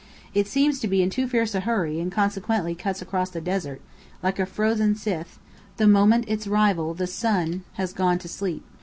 It seems to be in too fierce a hurry and consequently cuts across the desert, like a frozen scythe, the moment its rival the sun has gone to sleep.